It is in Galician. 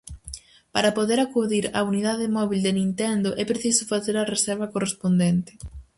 Para poder acudir á unidade móbil de Nintendo é preciso facer a reserva correspondente.